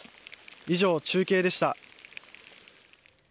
以上、中継でした。